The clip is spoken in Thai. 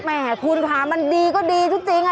แห่คุณค่ะมันดีก็ดีจริง